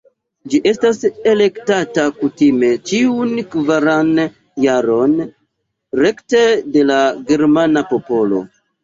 Ĝi estas elektata kutime ĉiun kvaran jaron rekte de la germana popolo.